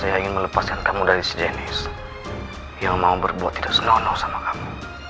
saya ingin melepaskan kamu dari sejenis yang mau berbuat tidak senonoh sama kamu